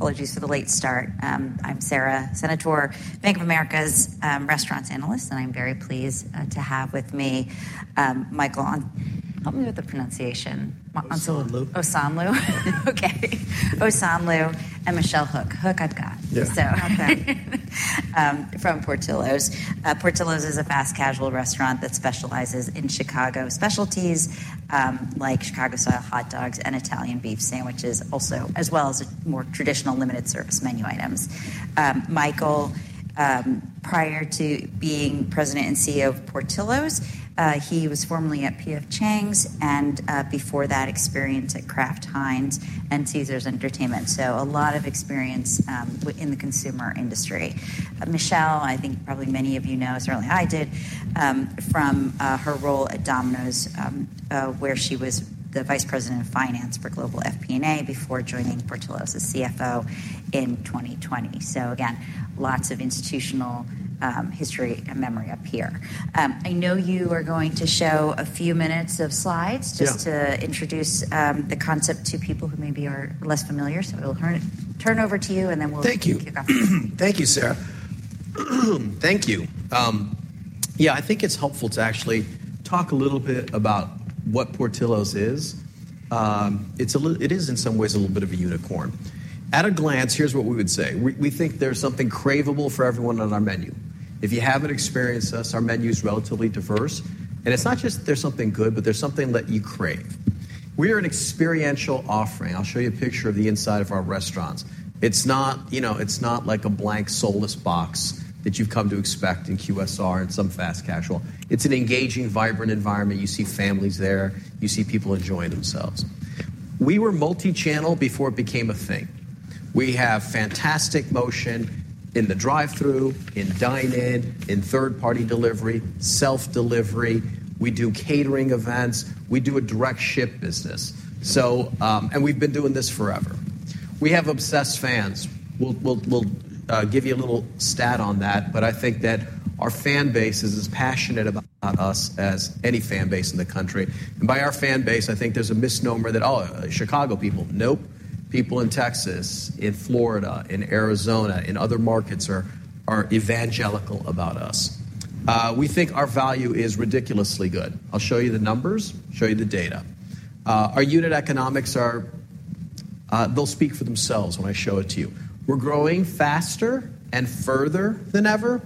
Well, just a late start. I'm Sara Senatore, Bank of America's restaurants analyst, and I'm very pleased to have with me Michael Osanloo. Help me with the pronunciation. Osanloo. Osanloo? Okay. Osanloo and Michelle Hook. Hook I've got. Yeah. So from Portillo's. Portillo's is a fast casual restaurant that specializes in Chicago specialties like Chicago style hot dogs and Italian beef sandwiches, as well as more traditional limited service menu items. Michael, prior to being President and CEO of Portillo's, he was formerly at P.F. Chang's and before that experience at Kraft Heinz and Caesars Entertainment, so a lot of experience in the consumer industry. Michelle, I think probably many of you know, certainly I did, from her role at Domino's, where she was the Vice President of Finance for Global FP&A before joining Portillo's as CFO in 2020. So again, lots of institutional history and memory up here. I know you are going to show a few minutes of slides just to introduce the concept to people who maybe are less familiar, so I will turn it over to you and then we'll kick off. Thank you. Thank you, Sara. Thank you. Yeah, I think it's helpful to actually talk a little bit about what Portillo's is. It is, in some ways, a little bit of a unicorn. At a glance, here's what we would say. We think there's something cravable for everyone on our menu. If you haven't experienced us, our menu is relatively diverse, and it's not just there's something good, but there's something that you crave. We are an experiential offering. I'll show you a picture of the inside of our restaurants. It's not like a blank soulless box that you've come to expect in QSR and some fast casual. It's an engaging, vibrant environment. You see families there. You see people enjoying themselves. We were multi-channel before it became a thing. We have fantastic motion in the drive-through, in dine-in, in third-party delivery, self-delivery. We do catering events. We do a direct ship business, and we've been doing this forever. We have obsessed fans. We'll give you a little stat on that, but I think that our fan base is as passionate about us as any fan base in the country. And by our fan base, I think there's a misnomer that, "Oh, Chicago people." Nope. People in Texas, in Florida, in Arizona, in other markets are evangelical about us. We think our value is ridiculously good. I'll show you the numbers. Show you the data. Our unit economics, they'll speak for themselves when I show it to you. We're growing faster and further than ever,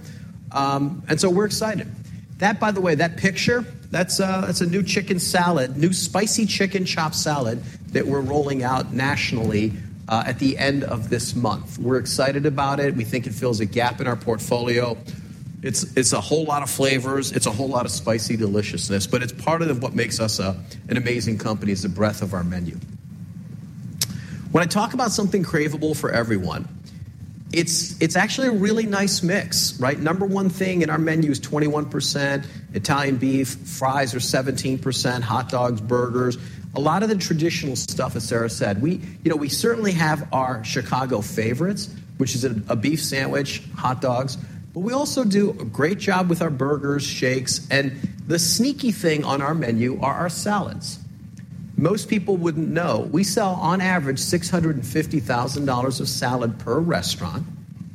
and so we're excited. By the way, that picture, that's a new chicken salad, new spicy chicken chop salad that we're rolling out nationally at the end of this month. We're excited about it. We think it fills a gap in our portfolio. It's a whole lot of flavors. It's a whole lot of spicy deliciousness, but it's part of what makes us an amazing company is the breadth of our menu. When I talk about something cravable for everyone, it's actually a really nice mix, right? Number one thing in our menu is 21% Italian beef, fries are 17%, hot dogs, burgers, a lot of the traditional stuff that Sara said. We certainly have our Chicago favorites, which is a beef sandwich, hot dogs, but we also do a great job with our burgers, shakes, and the sneaky thing on our menu are our salads. Most people wouldn't know. We sell, on average, $650,000 of salad per restaurant.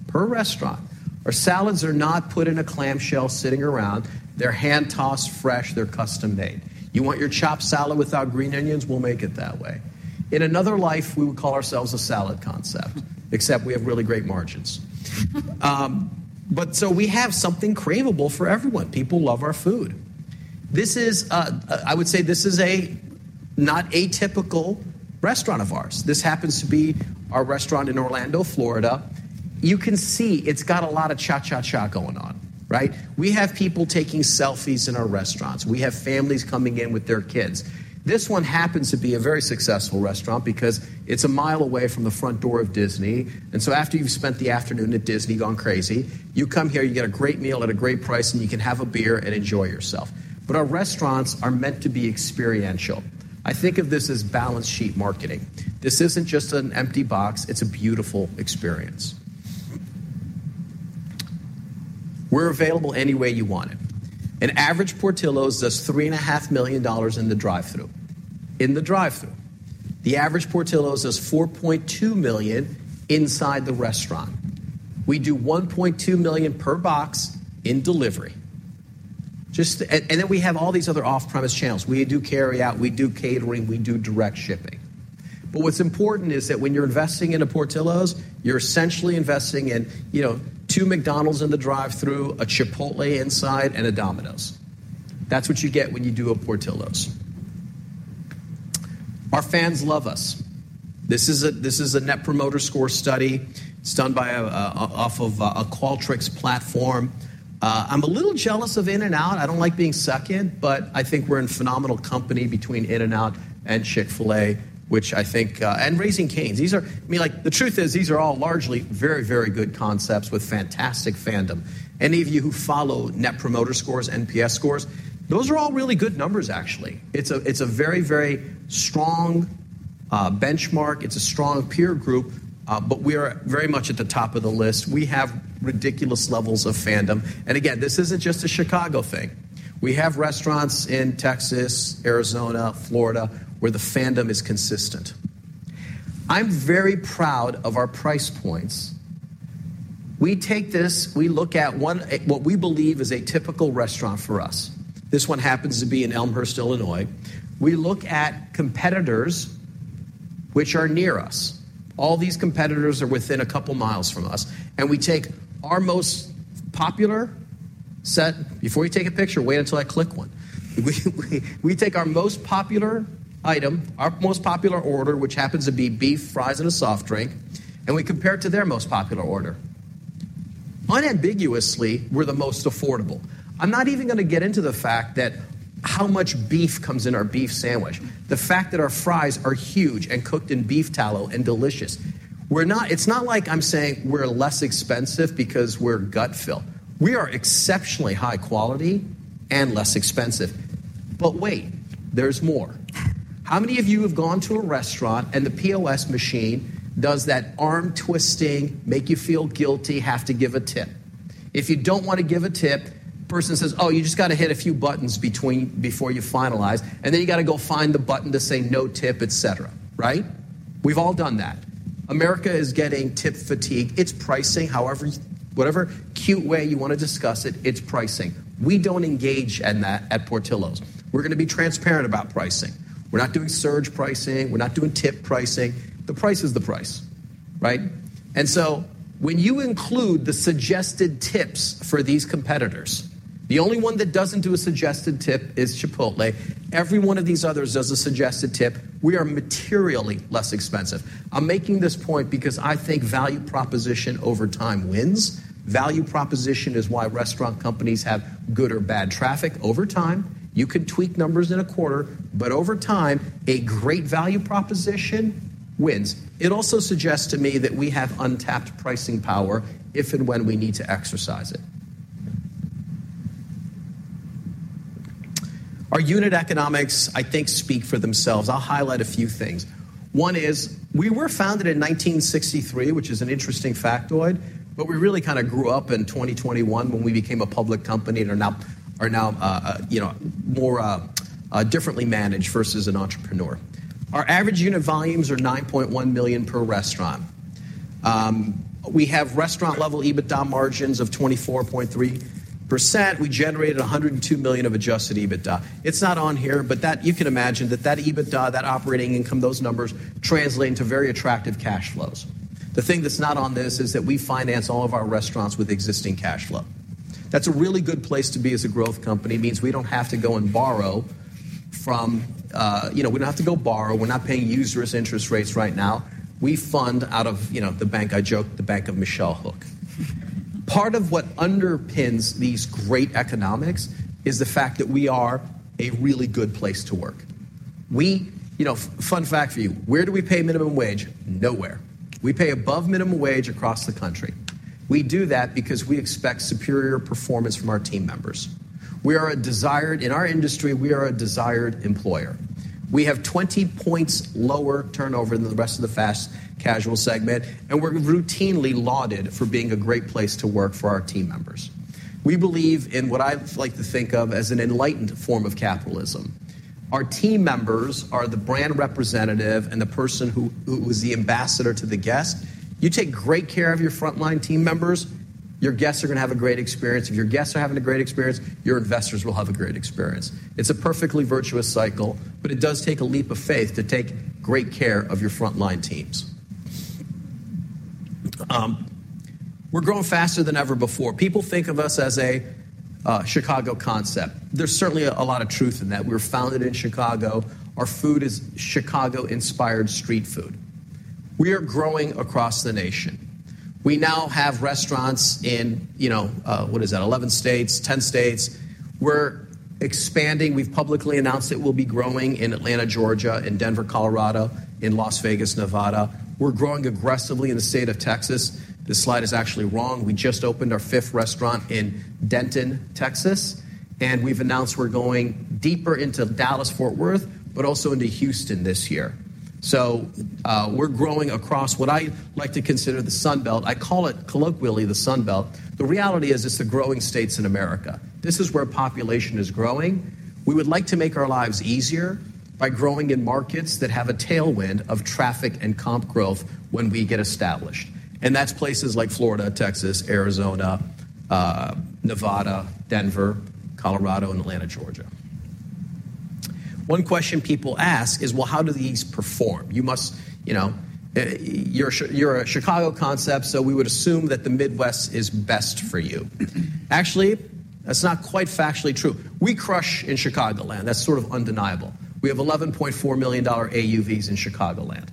Per restaurant. Our salads are not put in a clamshell sitting around. They're hand-tossed, fresh. They're custom-made. You want your chop salad without green onions? We'll make it that way. In another life, we would call ourselves a salad concept, except we have really great margins. So we have something craveable for everyone. People love our food. I would say this is not a typical restaurant of ours. This happens to be our restaurant in Orlando, Florida. You can see it's got a lot of cha-cha-cha going on, right? We have people taking selfies in our restaurants. We have families coming in with their kids. This one happens to be a very successful restaurant because it's a mile away from the front door of Disney. And so after you've spent the afternoon at Disney gone crazy, you come here, you get a great meal at a great price, and you can have a beer and enjoy yourself. But our restaurants are meant to be experiential. I think of this as balance sheet marketing. This isn't just an empty box. It's a beautiful experience. We're available any way you want it. An average Portillo's does $3.5 million in the drive-through. In the drive-through. The average Portillo's does $4.2 million inside the restaurant. We do $1.2 million per box in delivery. And then we have all these other off-premise channels. We do carry out. We do catering. We do direct shipping. But what's important is that when you're investing into Portillo's, you're essentially investing in two McDonald's in the drive-through, a Chipotle inside, and a Domino's. That's what you get when you do a Portillo's. Our fans love us. This is a Net Promoter Score study. It's done off of a Qualtrics platform. I'm a little jealous of In-N-Out. I don't like being stuck in, but I think we're in phenomenal company between In-N-Out and Chick-fil-A, which I think and Raising Cane's. I mean, the truth is, these are all largely very, very good concepts with fantastic fandom. Any of you who follow Net Promoter Scores, NPS scores, those are all really good numbers, actually. It's a very, very strong benchmark. It's a strong peer group, but we are very much at the top of the list. We have ridiculous levels of fandom. And again, this isn't just a Chicago thing. We have restaurants in Texas, Arizona, Florida where the fandom is consistent. I'm very proud of our price points. We take this. We look at what we believe is a typical restaurant for us. This one happens to be in Elmhurst, Illinois. We look at competitors, which are near us. All these competitors are within a couple miles from us. And we take our most popular set before you take a picture, wait until I click one. We take our most popular item, our most popular order, which happens to be beef, fries, and a soft drink, and we compare it to their most popular order. Unambiguously, we're the most affordable. I'm not even going to get into the fact that how much beef comes in our beef sandwich, the fact that our fries are huge and cooked in beef tallow and delicious. It's not like I'm saying we're less expensive because we're gut-filled. We are exceptionally high quality and less expensive. But wait, there's more. How many of you have gone to a restaurant and the POS machine does that arm twisting, make you feel guilty, have to give a tip? If you don't want to give a tip, the person says, "Oh, you just got to hit a few buttons before you finalize, and then you got to go find the button to say no tip," etc., right? We've all done that. America is getting tip fatigue. It's pricing. Whatever cute way you want to discuss it, it's pricing. We don't engage in that at Portillo's. We're going to be transparent about pricing. We're not doing surge pricing. We're not doing tip pricing. The price is the price, right? And so when you include the suggested tips for these competitors, the only one that doesn't do a suggested tip is Chipotle. Every one of these others does a suggested tip. We are materially less expensive. I'm making this point because I think value proposition over time wins. Value proposition is why restaurant companies have good or bad traffic over time. You can tweak numbers in a quarter, but over time, a great value proposition wins. It also suggests to me that we have untapped pricing power if and when we need to exercise it. Our unit economics, I think, speak for themselves. I'll highlight a few things. One is we were founded in 1963, which is an interesting factoid, but we really kind of grew up in 2021 when we became a public company and are now more differently managed versus an entrepreneur. Our average unit volumes are $9.1 million per restaurant. We have restaurant-level EBITDA margins of 24.3%. We generated $102 million of adjusted EBITDA. It's not on here, but you can imagine that that EBITDA, that operating income, those numbers translate into very attractive cash flows. The thing that's not on this is that we finance all of our restaurants with existing cash flow. That's a really good place to be as a growth company. It means we don't have to go and borrow. We're not paying useless interest rates right now. We fund out of the bank. I joked, the Bank of Michelle Hook. Part of what underpins these great economics is the fact that we are a really good place to work. Fun fact for you, where do we pay minimum wage? Nowhere. We pay above minimum wage across the country. We do that because we expect superior performance from our team members. In our industry, we are a desired employer. We have 20 points lower turnover than the rest of the fast casual segment, and we're routinely lauded for being a great place to work for our team members. We believe in what I like to think of as an enlightened form of capitalism. Our team members are the brand representative and the person who was the ambassador to the guest. You take great care of your frontline team members. Your guests are going to have a great experience. If your guests are having a great experience, your investors will have a great experience. It's a perfectly virtuous cycle, but it does take a leap of faith to take great care of your frontline teams. We're growing faster than ever before. People think of us as a Chicago concept. There's certainly a lot of truth in that. We were founded in Chicago. Our food is Chicago-inspired street food. We are growing across the nation. We now have restaurants in, what is that, 11 states, 10 states. We're expanding. We've publicly announced that we'll be growing in Atlanta, Georgia, in Denver, Colorado, in Las Vegas, Nevada. We're growing aggressively in the state of Texas. This slide is actually wrong. We just opened our fifth restaurant in Denton, Texas, and we've announced we're going deeper into Dallas-Fort Worth, but also into Houston this year. We're growing across what I like to consider the Sunbelt. I call it colloquially the Sunbelt. The reality is it's the growing states in America. This is where population is growing. We would like to make our lives easier by growing in markets that have a tailwind of traffic and comp growth when we get established. That's places like Florida, Texas, Arizona, Nevada, Denver, Colorado, and Atlanta, Georgia. One question people ask is, "Well, how do these perform?" You're a Chicago concept, so we would assume that the Midwest is best for you. Actually, that's not quite factually true. We crush in Chicagoland. That's sort of undeniable. We have $11.4 million AUVs in Chicagoland.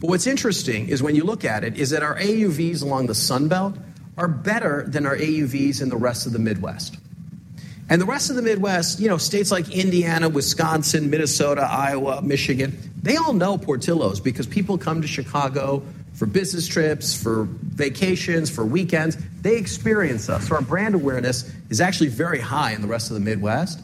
But what's interesting is when you look at it is that our AUVs along the Sunbelt are better than our AUVs in the rest of the Midwest. And the rest of the Midwest, states like Indiana, Wisconsin, Minnesota, Iowa, Michigan, they all know Portillo's because people come to Chicago for business trips, for vacations, for weekends. They experience us. So our brand awareness is actually very high in the rest of the Midwest.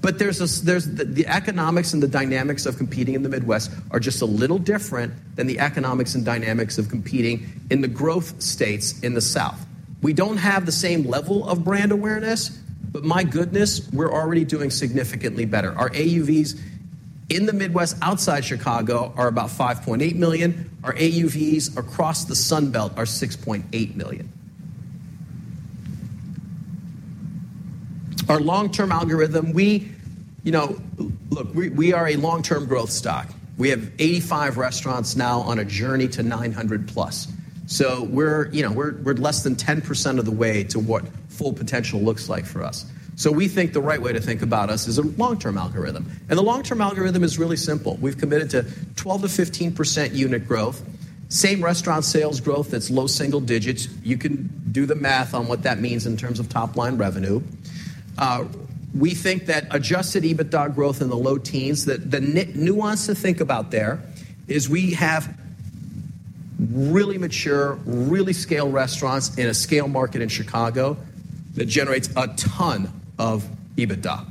But the economics and the dynamics of competing in the Midwest are just a little different than the economics and dynamics of competing in the growth states in the South. We don't have the same level of brand awareness, but my goodness, we're already doing significantly better. Our AUVs in the Midwest outside Chicago are about $5.8 million. Our AUVs across the Sunbelt are $6.8 million. Our long-term algorithm, look, we are a long-term growth stock. We have 85 restaurants now on a journey to 900+. So we're less than 10% of the way to what full potential looks like for us. So we think the right way to think about us is a long-term algorithm. And the long-term algorithm is really simple. We've committed to 12%-15% unit growth, same restaurant sales growth that's low single digits. You can do the math on what that means in terms of top-line revenue. We think that adjusted EBITDA growth in the low teens, the nuance to think about there is we have really mature, really scale restaurants in a scale market in Chicago that generates a ton of EBITDA.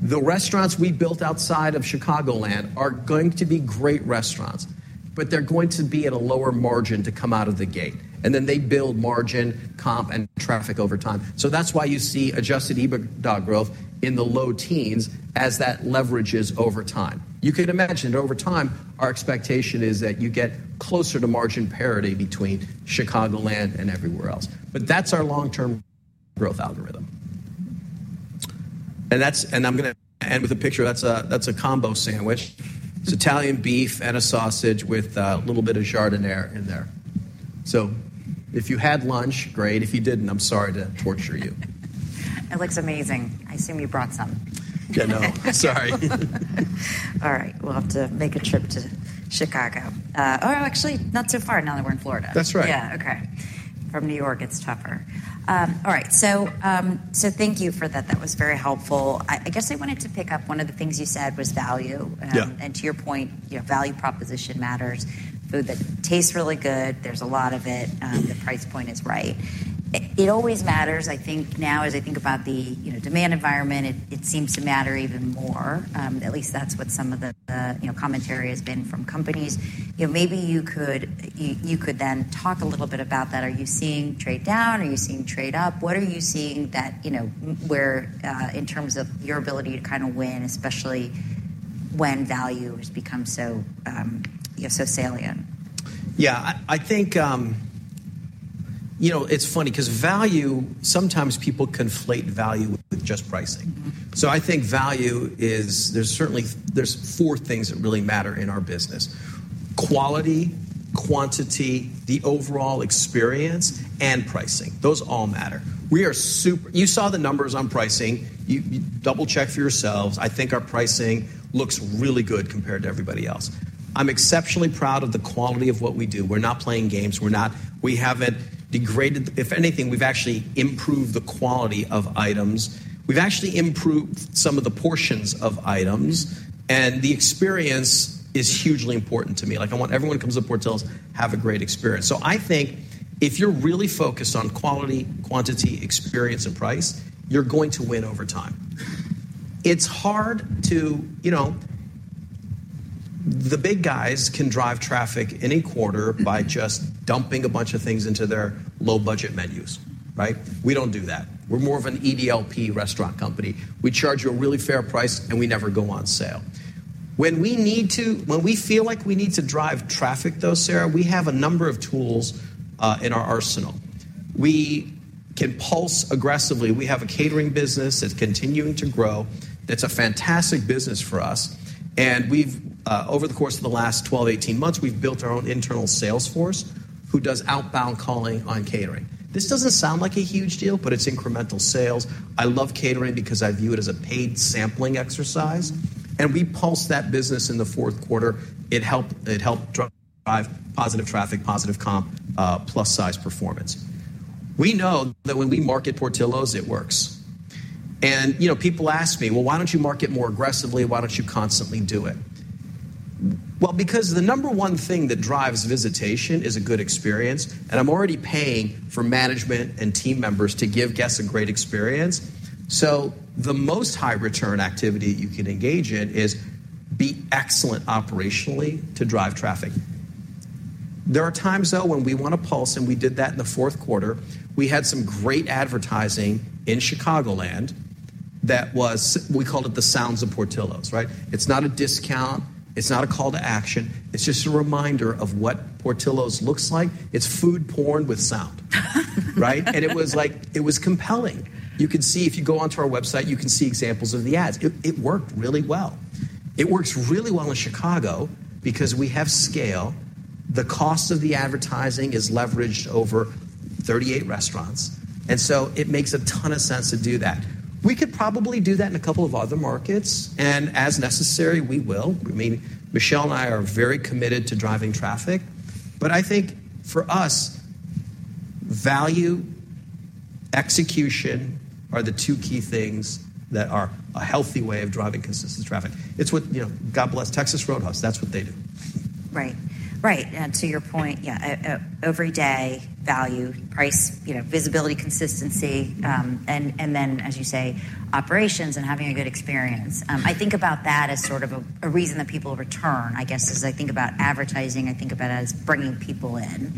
The restaurants we built outside of Chicagoland are going to be great restaurants, but they're going to be at a lower margin to come out of the gate. Then they build margin, comp, and traffic over time. So that's why you see adjusted EBITDA growth in the low teens as that leverages over time. You can imagine over time, our expectation is that you get closer to margin parity between Chicagoland and everywhere else. But that's our long-term growth algorithm. And I'm going to end with a picture. That's a combo sandwich. It's Italian beef and a sausage with a little bit of giardiniera in there. So if you had lunch, great. If you didn't, I'm sorry to torture you. It looks amazing. I assume you brought some. Yeah, no. Sorry. All right. We'll have to make a trip to Chicago. Oh, actually, not so far now that we're in Florida. That's right. Yeah, okay. From New York, it's tougher. All right. So thank you for that. That was very helpful. I guess I wanted to pick up one of the things you said was value. To your point, value proposition matters. Food that tastes really good. There's a lot of it. The price point is right. It always matters. I think now, as I think about the demand environment, it seems to matter even more. At least that's what some of the commentary has been from companies. Maybe you could then talk a little bit about that. Are you seeing trade down? Are you seeing trade up? What are you seeing that where in terms of your ability to kind of win, especially when value has become so salient? Yeah, I think it's funny because value, sometimes people conflate value with just pricing. So I think value is, there's four things that really matter in our business: quality, quantity, the overall experience, and pricing. Those all matter. You saw the numbers on pricing. Double-check for yourselves. I think our pricing looks really good compared to everybody else. I'm exceptionally proud of the quality of what we do. We're not playing games. We haven't degraded. If anything, we've actually improved the quality of items. We've actually improved some of the portions of items. The experience is hugely important to me. I want everyone who comes to Portillo's to have a great experience. I think if you're really focused on quality, quantity, experience, and price, you're going to win over time. It's hard for the big guys to drive traffic in a quarter by just dumping a bunch of things into their low-budget menus, right? We don't do that. We're more of an EDLP restaurant company. We charge you a really fair price, and we never go on sale. When we feel like we need to drive traffic, though, Sarah, we have a number of tools in our arsenal. We can pulse aggressively. We have a catering business that's continuing to grow. That's a fantastic business for us. And over the course of the last 12, 18 months, we've built our own internal salesforce who does outbound calling on catering. This doesn't sound like a huge deal, but it's incremental sales. I love catering because I view it as a paid sampling exercise. And we pulse that business in the fourth quarter. It helped drive positive traffic, positive comp, plus-size performance. We know that when we market Portillo's, it works. And people ask me, "Well, why don't you market more aggressively? Why don't you constantly do it?" Well, because the number one thing that drives visitation is a good experience. I'm already paying for management and team members to give guests a great experience. So the most high-return activity that you can engage in is be excellent operationally to drive traffic. There are times, though, when we want to pulse, and we did that in the fourth quarter. We had some great advertising in Chicagoland that we called the sounds of Portillo's, right? It's not a discount. It's not a call to action. It's just a reminder of what Portillo's looks like. It's food porn with sound, right? And it was compelling. You could see if you go onto our website, you can see examples of the ads. It worked really well. It works really well in Chicago because we have scale. The cost of the advertising is leveraged over 38 restaurants. And so it makes a ton of sense to do that. We could probably do that in a couple of other markets. As necessary, we will. I mean, Michelle and I are very committed to driving traffic. But I think for us, value, execution are the two key things that are a healthy way of driving consistent traffic. It's what God bless Texas Roadhouse. That's what they do. Right. Right. To your point, yeah, every day, value, price, visibility, consistency, and then, as you say, operations and having a good experience. I think about that as sort of a reason that people return, I guess, as I think about advertising. I think about it as bringing people in.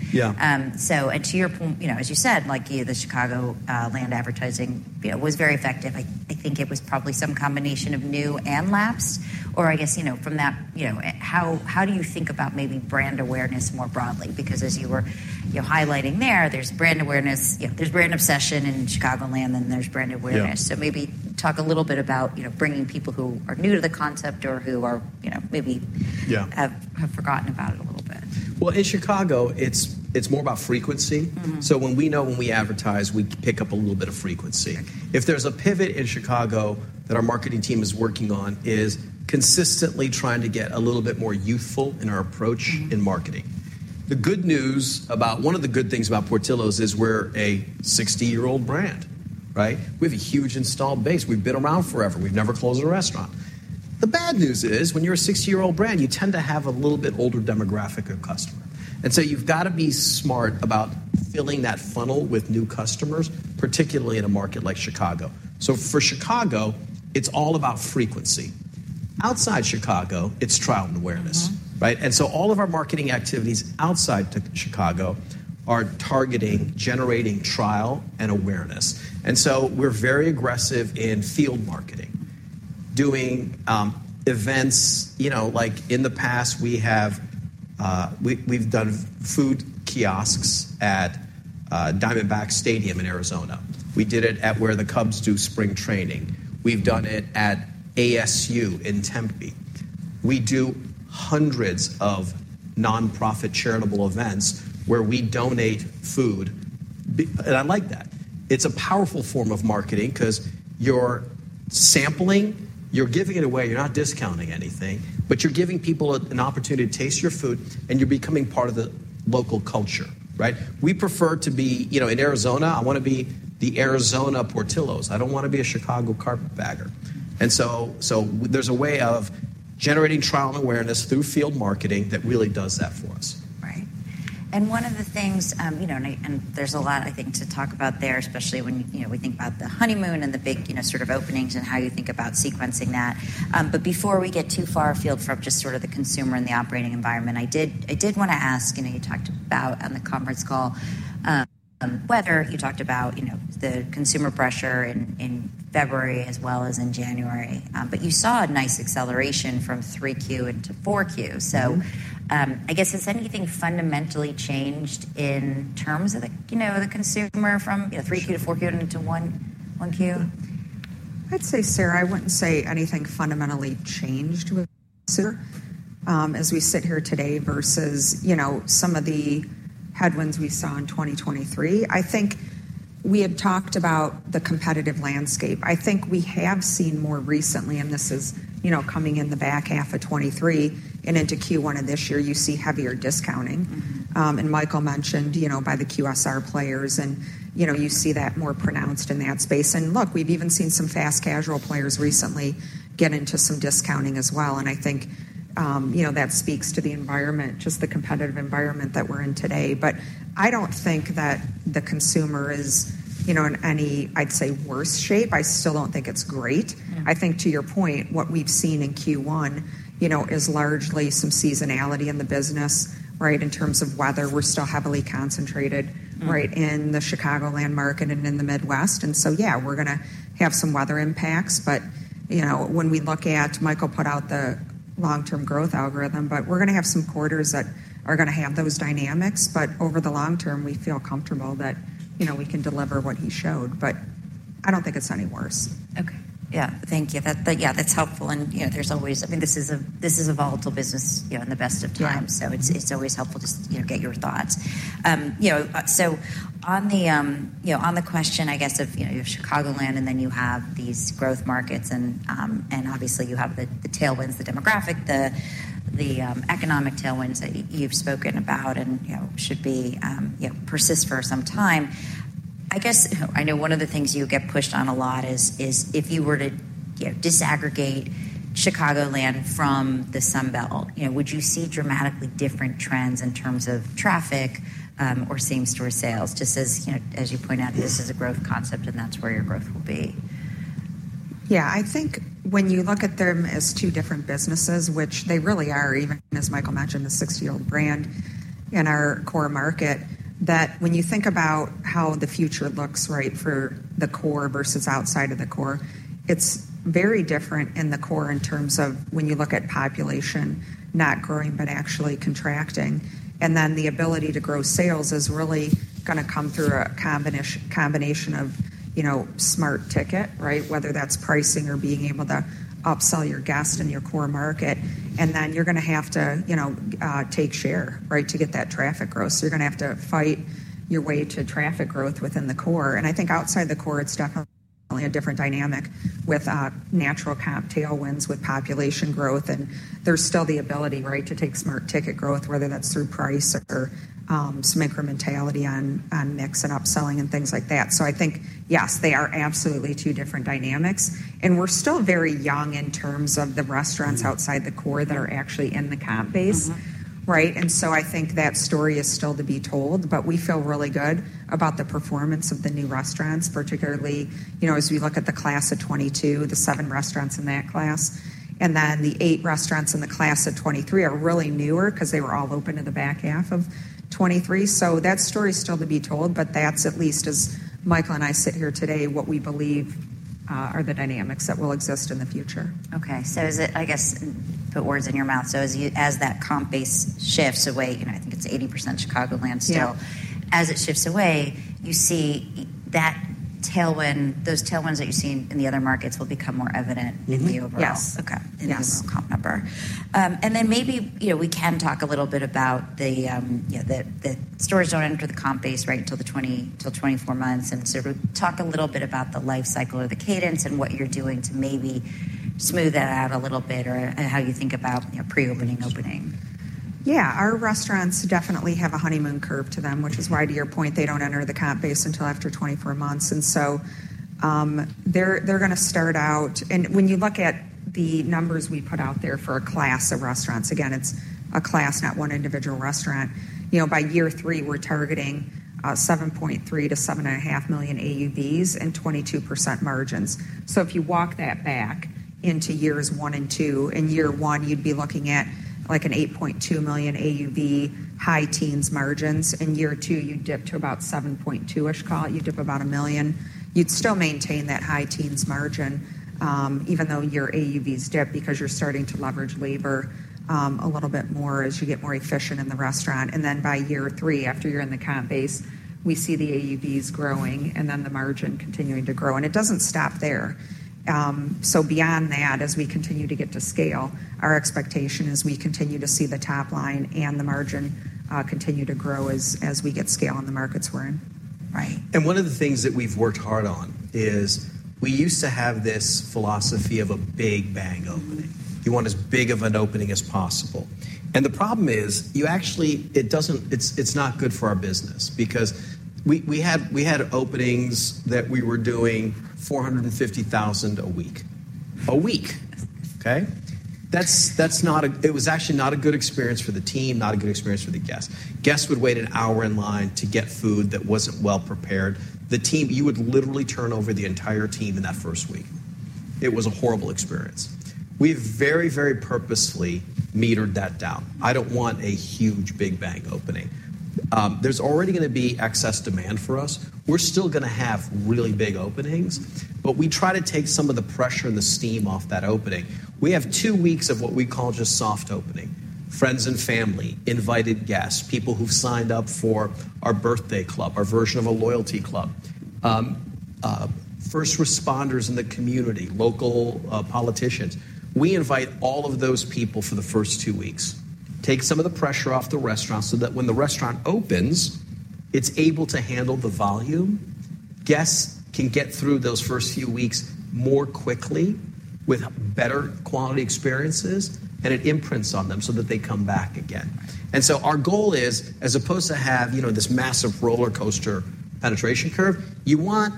To your point, as you said, the Chicagoland advertising was very effective. I think it was probably some combination of new and lapsed, or I guess from that, how do you think about maybe brand awareness more broadly? Because as you were highlighting there, there's brand awareness. There's brand obsession in Chicagoland, and there's brand awareness. So maybe talk a little bit about bringing people who are new to the concept or who maybe have forgotten about it a little bit. Well, in Chicago, it's more about frequency. So when we know when we advertise, we pick up a little bit of frequency. If there's a pivot in Chicago that our marketing team is working on is consistently trying to get a little bit more youthful in our approach in marketing. The good news about one of the good things about Portillo's is we're a 60-year-old brand, right? We have a huge installed base. We've been around forever. We've never closed a restaurant. The bad news is when you're a 60-year-old brand, you tend to have a little bit older demographic of customer. And so you've got to be smart about filling that funnel with new customers, particularly in a market like Chicago. So for Chicago, it's all about frequency. Outside Chicago, it's trial and awareness, right? And so all of our marketing activities outside Chicago are targeting, generating trial and awareness. And so we're very aggressive in field marketing, doing events. In the past, we've done food kiosks at Diamondbacks Stadium in Arizona. We did it at where the Cubs do spring training. We've done it at ASU in Tempe. We do hundreds of nonprofit charitable events where we donate food. And I like that. It's a powerful form of marketing because you're sampling. You're giving it away. You're not discounting anything, but you're giving people an opportunity to taste your food, and you're becoming part of the local culture, right? We prefer to be in Arizona. I want to be the Arizona Portillo's. I don't want to be a Chicago carpetbagger. So there's a way of generating trial and awareness through field marketing that really does that for us. Right. One of the things, and there's a lot, I think, to talk about there, especially when we think about the honeymoon and the big sort of openings and how you think about sequencing that. But before we get too far afield from just sort of the consumer and the operating environment, I did want to ask you talked about on the conference call, weather. You talked about the consumer pressure in February as well as in January. But you saw a nice acceleration from 3Q into 4Q. So I guess, has anything fundamentally changed in terms of the consumer from 3Q to 4Q and into 1Q? I'd say, Sara, I wouldn't say anything fundamentally changed with consumer as we sit here today versus some of the headwinds we saw in 2023. I think we had talked about the competitive landscape. I think we have seen more recently, and this is coming in the back half of 2023, and into Q1 of this year, you see heavier discounting. And Michael mentioned by the QSR players, and you see that more pronounced in that space. And look, we've even seen some fast casual players recently get into some discounting as well. And I think that speaks to the environment, just the competitive environment that we're in today. But I don't think that the consumer is in any, I'd say, worse shape. I still don't think it's great. I think, to your point, what we've seen in Q1 is largely some seasonality in the business, right, in terms of weather. We're still heavily concentrated, right, in the Chicagoland market and in the Midwest. And so, yeah, we're going to have some weather impacts. But when we look at Michael put out the long-term growth algorithm, but we're going to have some quarters that are going to have those dynamics. But over the long term, we feel comfortable that we can deliver what he showed. But I don't think it's any worse. Okay. Yeah. Thank you. Yeah, that's helpful. And there's always I mean, this is a volatile business in the best of times. So it's always helpful to get your thoughts. So on the question, I guess, of you have Chicagoland, and then you have these growth markets. Obviously, you have the tailwinds, the demographic, the economic tailwinds that you've spoken about and should persist for some time. I know one of the things you get pushed on a lot is if you were to disaggregate Chicagoland from the Sunbelt, would you see dramatically different trends in terms of traffic or same-store sales? Just as you point out, this is a growth concept, and that's where your growth will be. Yeah. I think when you look at them as two different businesses, which they really are, even as Michael mentioned, a 60-year-old brand in our core market, that when you think about how the future looks, right, for the core versus outside of the core, it's very different in the core in terms of when you look at population not growing but actually contracting. The ability to grow sales is really going to come through a combination of smart ticket, right, whether that's pricing or being able to upsell your guests in your core market. Then you're going to have to take share, right, to get that traffic growth. So you're going to have to fight your way to traffic growth within the core. And I think outside the core, it's definitely a different dynamic with natural tailwinds with population growth. And there's still the ability, right, to take smart ticket growth, whether that's through price or some incrementality on mix and upselling and things like that. So I think, yes, they are absolutely two different dynamics. And we're still very young in terms of the restaurants outside the core that are actually in the comp base, right? And so I think that story is still to be told. But we feel really good about the performance of the new restaurants, particularly as we look at the class of 2022, the 7 restaurants in that class. And then the 8 restaurants in the class of 2023 are really newer because they were all open in the back half of 2023. So that story's still to be told. But that's, at least as Michael and I sit here today, what we believe are the dynamics that will exist in the future. Okay. So I guess put words in your mouth. So as that comp base shifts away, I think it's 80% Chicagoland still. As it shifts away, you see those tailwinds that you've seen in the other markets will become more evident in the overall comp number. And then maybe we can talk a little bit about the stores don't enter the comp base, right, until 24 months. And sort of talk a little bit about the life cycle or the cadence and what you're doing to maybe smooth that out a little bit or how you think about pre-opening opening. Yeah. Our restaurants definitely have a honeymoon curve to them, which is why, to your point, they don't enter the comp base until after 24 months. And so they're going to start out and when you look at the numbers we put out there for a class of restaurants, again, it's a class, not one individual restaurant. By year three, we're targeting $7.3-$7.5 million AUVs and 22% margins. So if you walk that back into years one and two, in year one, you'd be looking at an $8.2 million AUV high teens margins. In year two, you dip to about $7.2-ish, call it. You dip about $1 million. You'd still maintain that high teens margin even though your AUVs dip because you're starting to leverage labor a little bit more as you get more efficient in the restaurant. And then by year three, after you're in the comp base, we see the AUVs growing and then the margin continuing to grow. And it doesn't stop there. So beyond that, as we continue to get to scale, our expectation is we continue to see the top line and the margin continue to grow as we get scale in the markets we're in. Right. And one of the things that we've worked hard on is we used to have this philosophy of a big bang opening. You want as big of an opening as possible. And the problem is it's not good for our business because we had openings that we were doing 450,000 a week, a week, okay? It was actually not a good experience for the team, not a good experience for the guests. Guests would wait an hour in line to get food that wasn't well prepared. You would literally turn over the entire team in that first week. It was a horrible experience. We've very, very purposely metered that down. I don't want a huge big bang opening. There's already going to be excess demand for us. We're still going to have really big openings. But we try to take some of the pressure and the steam off that opening. We have two weeks of what we call just soft opening: friends and family, invited guests, people who've signed up for our birthday club, our version of a loyalty club, first responders in the community, local politicians. We invite all of those people for the first two weeks, take some of the pressure off the restaurant so that when the restaurant opens, it's able to handle the volume. Guests can get through those first few weeks more quickly with better quality experiences, and it imprints on them so that they come back again. And so our goal is, as opposed to have this massive roller coaster penetration curve, you want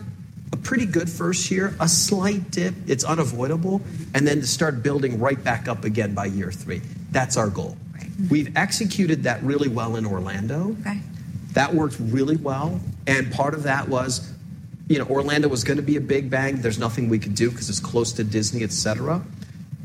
a pretty good first year, a slight dip. It's unavoidable. And then to start building right back up again by year three. That's our goal. We've executed that really well in Orlando. That worked really well. And part of that was Orlando was going to be a big bang. There's nothing we could do because it's close to Disney, etc.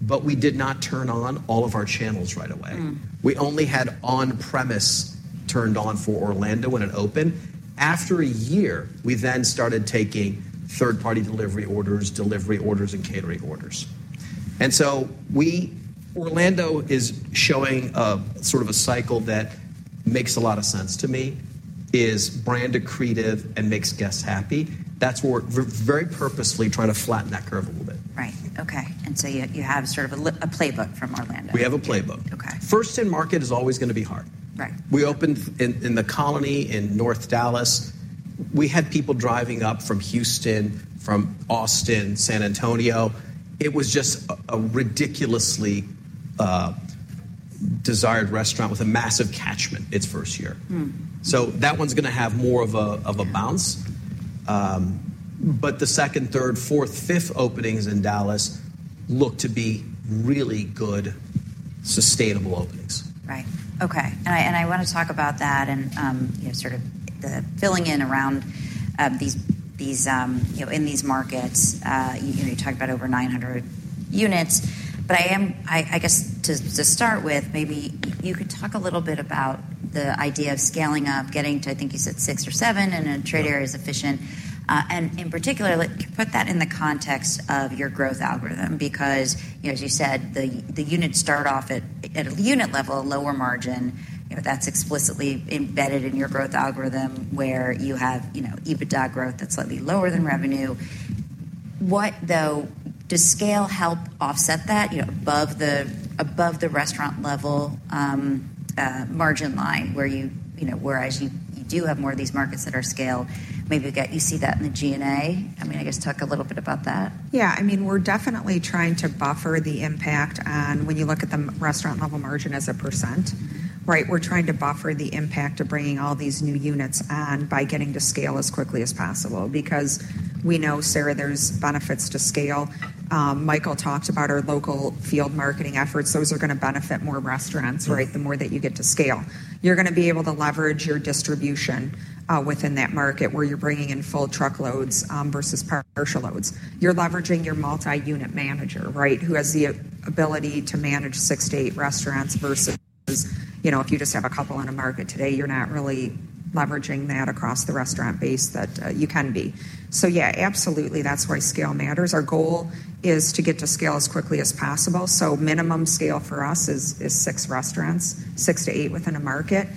But we did not turn on all of our channels right away. We only had on-premise turned on for Orlando when it opened. After a year, we then started taking third-party delivery orders, delivery orders, and catering orders. And so Orlando is showing sort of a cycle that makes a lot of sense to me, is brand accretive and makes guests happy. That's where we're very purposely trying to flatten that curve a little bit. Right. Okay. And so you have sort of a playbook from Orlando. We have a playbook. First in market is always going to be hard. We opened in The Colony in North Dallas. We had people driving up from Houston, from Austin, San Antonio. It was just a ridiculously desired restaurant with a massive catchment its first year. So that one's going to have more of a bounce. But the second, third, fourth, fifth openings in Dallas look to be really good, sustainable openings. Right. Okay. I want to talk about that and sort of the filling in around these in these markets. You talked about over 900 units. But I guess, to start with, maybe you could talk a little bit about the idea of scaling up, getting to, I think you said, six or seven, and a trade area is efficient. In particular, put that in the context of your growth algorithm because, as you said, the units start off at a unit level, a lower margin. That's explicitly embedded in your growth algorithm where you have EBITDA growth that's slightly lower than revenue. Does scale help offset that above the restaurant level margin line? Whereas you do have more of these markets that are scale, maybe you see that in the G&A. I mean, I guess talk a little bit about that. Yeah. I mean, we're definitely trying to buffer the impact on when you look at the restaurant-level margin as a %, right? We're trying to buffer the impact of bringing all these new units on by getting to scale as quickly as possible because we know, Sara, there's benefits to scale. Michael talked about our local field marketing efforts. Those are going to benefit more restaurants, right, the more that you get to scale. You're going to be able to leverage your distribution within that market where you're bringing in full truckloads versus partial loads. You're leveraging your multi-unit manager, right, who has the ability to manage 6-8 restaurants versus if you just have a couple in a market today, you're not really leveraging that across the restaurant base that you can be. So yeah, absolutely, that's why scale matters. Our goal is to get to scale as quickly as possible. Minimum scale for us is 6 restaurants, 6-8 within a market.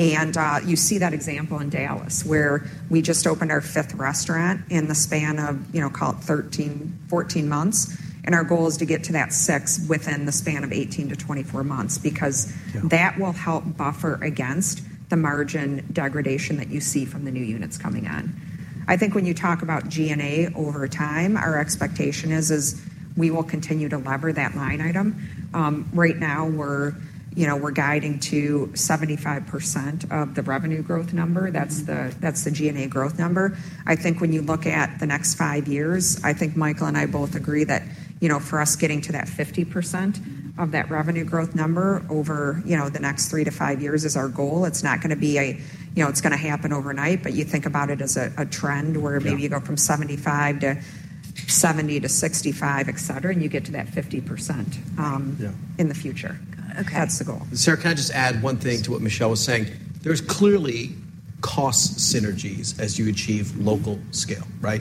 You see that example in Dallas where we just opened our 5th restaurant in the span of, call it, 13-14 months. Our goal is to get to that 6 within the span of 18-24 months because that will help buffer against the margin degradation that you see from the new units coming on. I think when you talk about G&A over time, our expectation is we will continue to lever that line item. Right now, we're guiding to 75% of the revenue growth number. That's the G&A growth number. I think when you look at the next 5 years, I think Michael and I both agree that for us getting to that 50% of that revenue growth number over the next 3-5 years is our goal. It's not going to be. It's going to happen overnight. But you think about it as a trend where maybe you go from 75% to 70% to 65%, etc., and you get to that 50% in the future. That's the goal. Sara, can I just add one thing to what Michelle was saying? There's clearly cost synergies as you achieve local scale, right?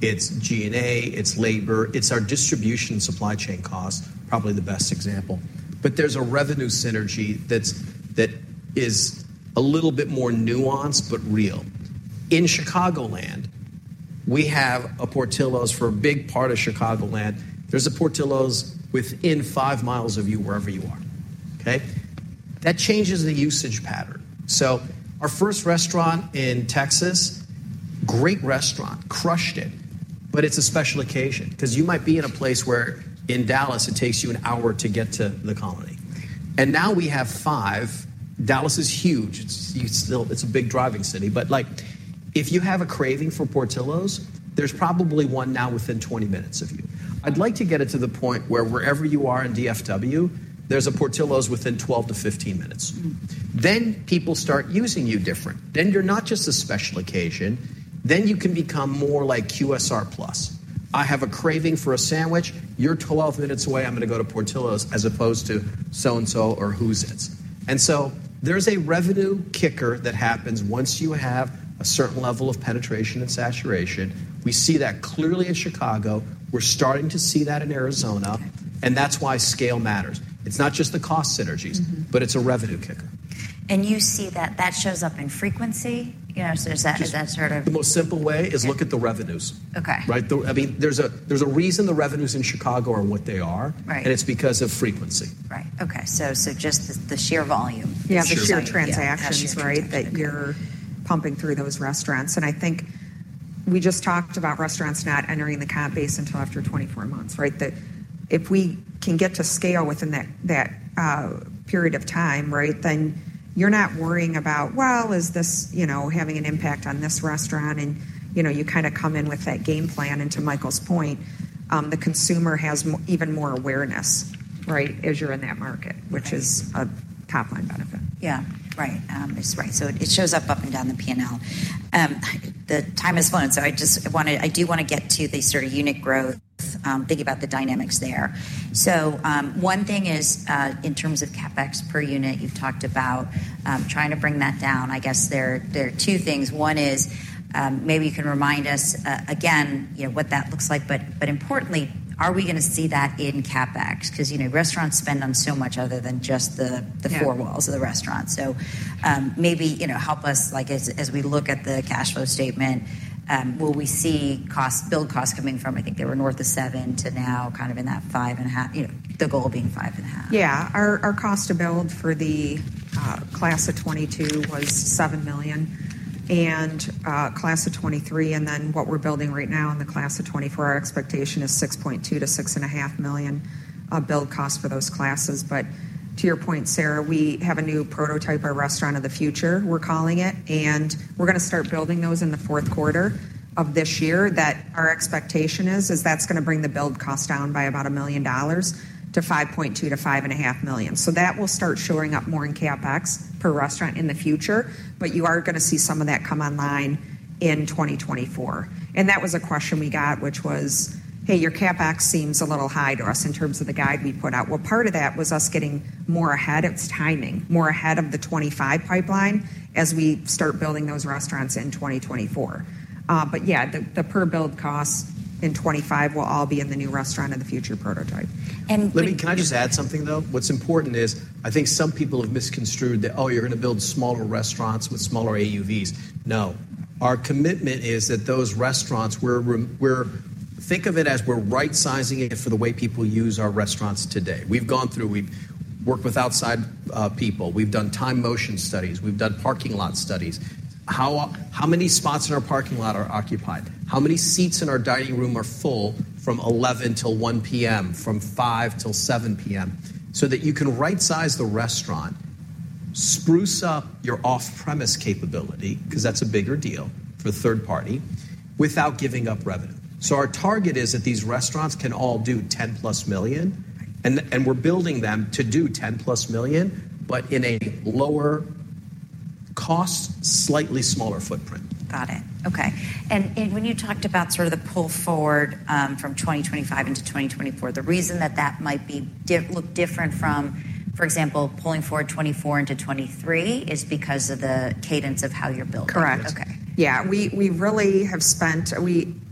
It's G&A. It's labor. It's our distribution and supply chain costs, probably the best example. But there's a revenue synergy that is a little bit more nuanced but real. In Chicagoland, we have a Portillo's for a big part of Chicagoland. There's a Portillo's within 5 miles of you wherever you are, okay? That changes the usage pattern. So our first restaurant in Texas, great restaurant, crushed it. But it's a special occasion because you might be in a place where in Dallas, it takes you an hour to get to The Colony. And now we have 5. Dallas is huge. It's a big driving city. But if you have a craving for Portillo's, there's probably one now within 20 minutes of you. I'd like to get it to the point where, wherever you are in DFW, there's a Portillo's within 12-15 minutes. Then people start using you different. Then you're not just a special occasion. Then you can become more like QSR Plus. I have a craving for a sandwich. You're 12 minutes away. I'm going to go to Portillo's as opposed to so-and-so or who's it's. And so there's a revenue kicker that happens once you have a certain level of penetration and saturation. We see that clearly in Chicago. We're starting to see that in Arizona. That's why scale matters. It's not just the cost synergies, but it's a revenue kicker. You see that. That shows up in frequency? So is that sort of. The most simple way is look at the revenues, right? I mean, there's a reason the revenues in Chicago are what they are. It's because of frequency. Right. Okay. Just the sheer volume. You have the sheer transactions, right, that you're pumping through those restaurants. I think we just talked about restaurants not entering the comp base until after 24 months, right? That if we can get to scale within that period of time, right, then you're not worrying about, "Well, is this having an impact on this restaurant?" And you kind of come in with that game plan. And to Michael's point, the consumer has even more awareness, right, as you're in that market, which is a top-line benefit. Yeah. Right. Right. So it shows up up and down the P&L. The time has flown. So I do want to get to the sort of unit growth, thinking about the dynamics there. So one thing is in terms of CapEx per unit, you've talked about trying to bring that down. I guess there are two things. One is maybe you can remind us again what that looks like. But importantly, are we going to see that in CapEx? Because restaurants spend on so much other than just the four walls of the restaurant. So maybe help us, as we look at the cash flow statement, will we see build costs coming from, I think they were north of $7 million to now kind of in that $5.5 million, the goal being $5.5 million. Yeah. Our cost to build for the class of 2022 was $7 million. And class of 2023, and then what we're building right now in the class of 2024, our expectation is $6.2 million-$6.5 million build costs for those classes. But to your point, Sara, we have a new prototype of restaurant of the future, we're calling it. And we're going to start building those in the fourth quarter of this year. Our expectation is that's going to bring the build cost down by about $1 million to $5.2 million-$5.5 million. So that will start showing up more in CapEx per restaurant in the future. But you are going to see some of that come online in 2024. And that was a question we got, which was, "Hey, your CapEx seems a little high to us in terms of the guide we put out." Well, part of that was us getting more ahead of timing, more ahead of the 2025 pipeline as we start building those restaurants in 2024. But yeah, the per-build costs in 2025 will all be in the new restaurant of the future prototype. Let me just add something, though? What's important is I think some people have misconstrued that, "Oh, you're going to build smaller restaurants with smaller AUVs." No. Our commitment is that those restaurants, we're think of it as we're right-sizing it for the way people use our restaurants today. We've gone through. We've worked with outside people. We've done time motion studies. We've done parking lot studies. How many spots in our parking lot are occupied? How many seats in our dining room are full from 11:00 A.M. to 1:00 P.M., from 5:00 P.M. to 7:00 P.M.? So that you can right-size the restaurant, spruce up your off-premise capability because that's a bigger deal for the third party without giving up revenue. So our target is that these restaurants can all do $10+ million. We're building them to do $10+ million, but in a lower cost, slightly smaller footprint. Got it. Okay. And when you talked about sort of the pull forward from 2025 into 2024, the reason that that might look different from, for example, pulling forward 2024 into 2023 is because of the cadence of how you're building. Correct. Yeah. We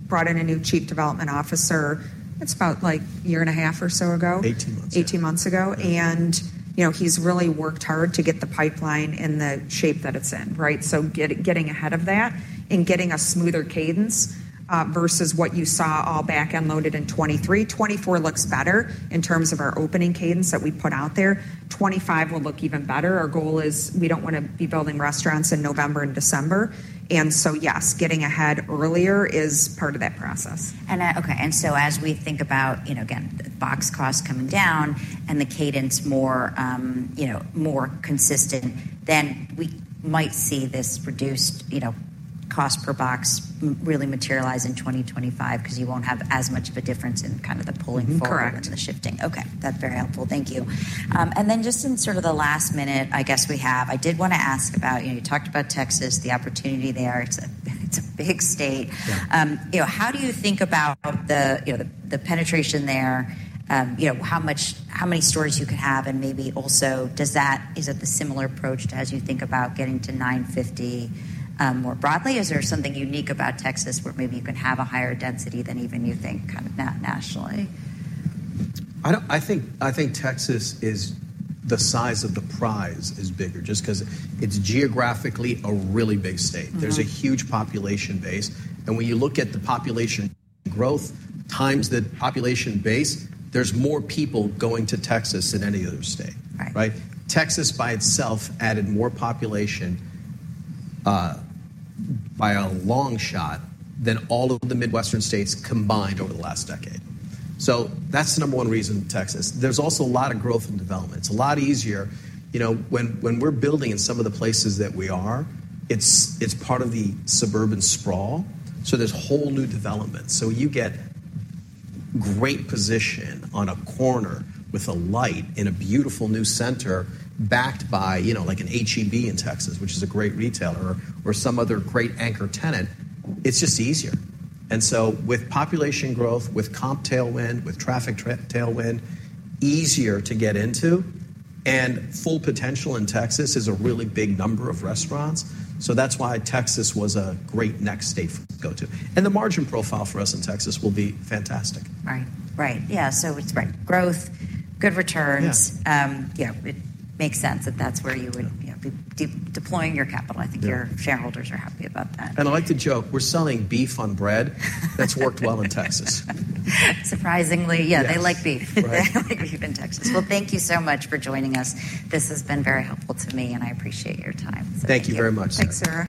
brought in a new chief development officer. It's about a year and a half or so ago. 18 months ago. 18 months ago. And he's really worked hard to get the pipeline in the shape that it's in, right? So getting ahead of that and getting a smoother cadence versus what you saw all back-loaded in 2023. 2024 looks better in terms of our opening cadence that we put out there. 2025 will look even better. Our goal is we don't want to be building restaurants in November and December. And so yes, getting ahead earlier is part of that process. Okay. And so as we think about, again, box costs coming down and the cadence more consistent, then we might see this reduced cost per box really materialize in 2025 because you won't have as much of a difference in kind of the pulling forward and the shifting. Correct. Okay. That's very helpful. Thank you. And then just in sort of the last minute, I guess we have, I did want to ask about you talked about Texas, the opportunity there. It's a big state. How do you think about the penetration there, how many stores you could have? And maybe also, is it the similar approach to as you think about getting to 950 more broadly? Is there something unique about Texas where maybe you can have a higher density than even you think kind of nationally? I think Texas is the size of the prize is bigger just because it's geographically a really big state. There's a huge population base. When you look at the population growth times the population base, there's more people going to Texas than any other state, right? Texas by itself added more population by a long shot than all of the Midwestern states combined over the last decade. So that's the number one reason Texas. There's also a lot of growth and development. It's a lot easier when we're building in some of the places that we are, it's part of the suburban sprawl. So there's whole new developments. So you get great position on a corner with a light in a beautiful new center backed by an H-E-B in Texas, which is a great retailer, or some other great anchor tenant. It's just easier. And so with population growth, with comp tailwind, with traffic tailwind, easier to get into. And full potential in Texas is a really big number of restaurants. So that's why Texas was a great next state for us to go to. And the margin profile for us in Texas will be fantastic. Right. Right. Yeah. So it's great growth, good returns. Yeah. It makes sense that that's where you would be deploying your capital. I think your shareholders are happy about that. And I like the joke. We're selling beef on bread that's worked well in Texas. Surprisingly, yeah, they like beef. They like beef in Texas. Well, thank you so much for joining us. This has been very helpful to me. And I appreciate your time. Thank you very much. Thanks, Sara.